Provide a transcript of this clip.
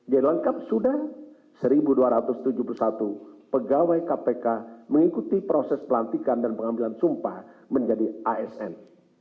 di lengkap sudah satu dua ratus tujuh puluh satu pegawai kpk mengikuti proses pelantikan dan pengambilan sumpah menjadi asn